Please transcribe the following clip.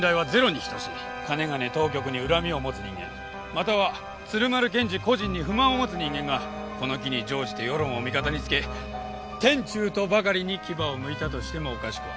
かねがね当局に恨みを持つ人間または鶴丸検事個人に不満を持つ人間がこの機に乗じて世論を味方につけ天誅とばかりに牙をむいたとしてもおかしくは。